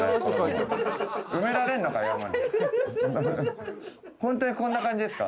埋められるのか？